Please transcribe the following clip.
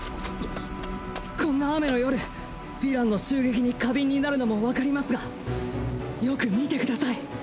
こんな雨の夜ヴィランの襲撃に過敏になるのもわかりますがよく見てください。